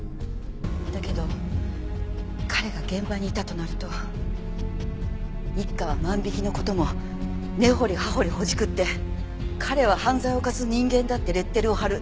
だけど彼が現場にいたとなると一課は万引きの事も根掘り葉掘りほじくって彼は犯罪を犯す人間だってレッテルを貼る。